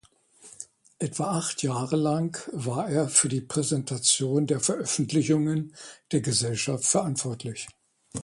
Etwa acht Jahre lang war er für die Präsentation der Veröffentlichungen der Gesellschaft verantwortlich.